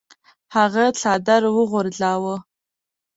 هغه څادر وغورځاوه.